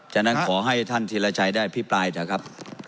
ฉะนั้นขอให้ท่านธีรชัยได้พิปรายเถอะครับ